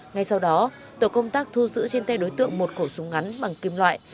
ngay sau đó tổ công tác thu giữ trên tay đối tượng một khẩu súng ngắn bằng kim loại